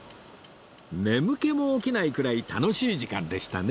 眠気も起きないくらい楽しい時間でしたね